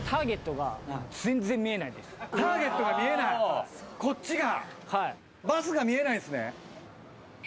ターゲットが見えないこっちが。